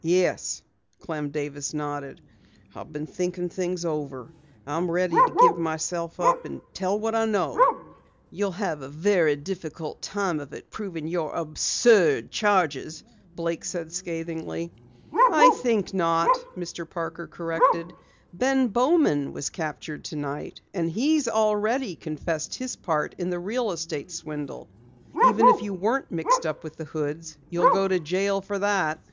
"Yes," Clem Davis nodded, "I've been thinking things over. I'm ready to give myself up and tell what I know." "You'll have a very difficult time of it proving your absurd charges," Blake said scathingly. "I think not," Mr. Parker corrected. "Ben Bowman was captured tonight, and he's already confessed his part in the real estate swindle. Even if you weren't mixed up with the Hoods, you'd go to jail for that."